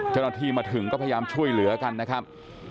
เจ้าหน้าที่มาถึงก็พยายามช่วยเหลือกันนะครับ